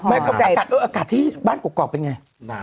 อากาศบ้านกรกกกรกเป็นไง